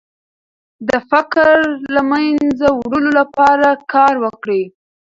د فقر د له منځه وړلو لپاره کار وکړئ.